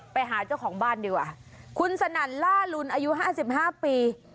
ไปหาเจ้าของบ้านดีกว่าคุณสนั่นล่าลุนอายุ๕๕ปี